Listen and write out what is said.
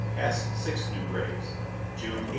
Passed six new graves. June 18.